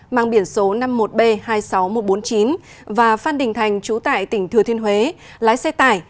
mang biển số năm mươi một b hai mươi sáu nghìn một trăm bốn mươi chín và phan đình thành chú tại tỉnh thừa thiên huế lái xe tải